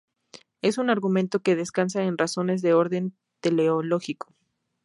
Es un argumento que descansa en razones de orden teleológico.